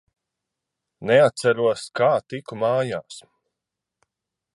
Neatceros, kā tiku mājās.